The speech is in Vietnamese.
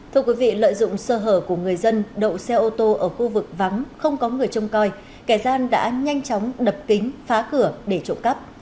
thưa quý vị lợi dụng sơ hở của người dân đậu xe ô tô ở khu vực vắng không có người trông coi kẻ gian đã nhanh chóng đập kính phá cửa để trộm cắp